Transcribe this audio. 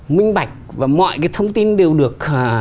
minh bạch và mọi cái thông tin đều được